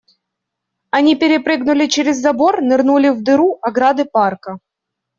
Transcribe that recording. Они перепрыгнули через забор, нырнули в дыру ограды парка.